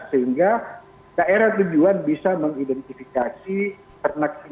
sehingga daerah tujuan bisa mengidentifikasi ternak ini